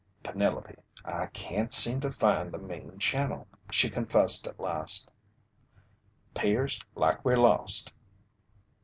"Penelope, I can't seem to find the main channel," she confessed at last. "'Pears like we're lost."